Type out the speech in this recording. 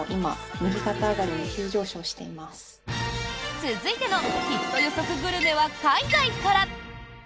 続いてのヒット予測グルメは海外から。